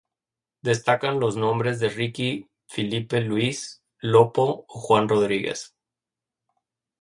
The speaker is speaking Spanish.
Destacan los nombres de Riki, Filipe Luis, Lopo o Juan Rodríguez.